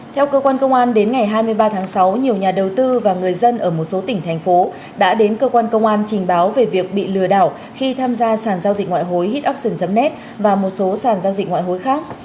theo cơ quan công an đến ngày hai mươi ba tháng sáu nhiều nhà đầu tư và người dân ở một số tỉnh thành phố đã đến cơ quan công an trình báo về việc bị lừa đảo khi tham gia sàn giao dịch ngoại hối hit oppion net và một số sản giao dịch ngoại hối khác